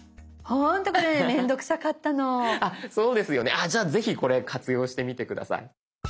あじゃあぜひこれ活用してみて下さい。